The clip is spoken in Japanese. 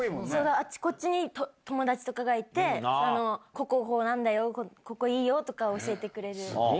あちこちに友達とかがいて、ここ、こうなんだよとか、ここいいよとか教えてくれる。